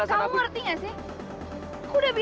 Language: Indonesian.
hai siap mquar tersendiri